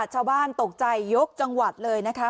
ชาวบ้านตกใจยกจังหวัดเลยนะคะ